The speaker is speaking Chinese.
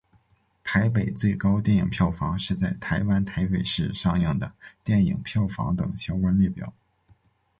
台北最高电影票房是在台湾台北市上映的电影票房等相关列表。